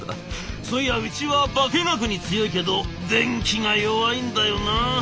そういやうちは化学に強いけど電気が弱いんだよな」。